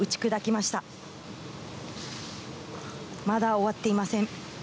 まだ終わっていません。